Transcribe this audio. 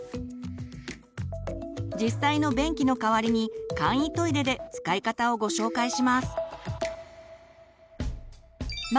実際の便器の代わりに簡易トイレで使い方をご紹介します。